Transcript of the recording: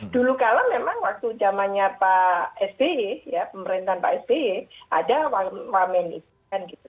dulu kalau memang waktu zamannya pak sbe pemerintahan pak sbe ada wamen itu